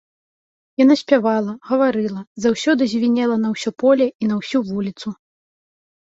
Яна спявала, гаварыла, заўсёды звінела на ўсё поле і на ўсю вуліцу.